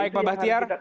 baik pak bahtiar